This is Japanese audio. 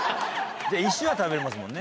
石は食べれますもんね。